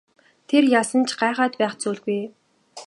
Тэр ялсан ч гайхаад байх зүйл байхгүй.